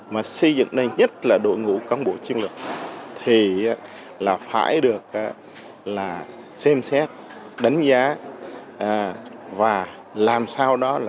mà xây dựng nên nhất là đội ngũ cán bộ chiến lược thì phải được xem xét đánh giá và làm sao đó